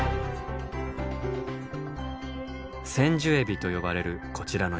センジュエビと呼ばれるこちらのエビ。